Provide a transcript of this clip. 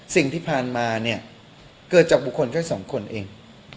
สิ่งที่ผ่านมาเนี่ยเกิดจากบุคคลแค่สองคนเอง